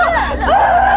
terus nih terus